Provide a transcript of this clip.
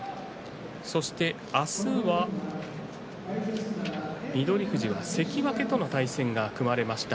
そして、明日は翠富士は関脇との対戦が組まれました。